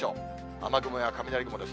雨雲や雷雲です。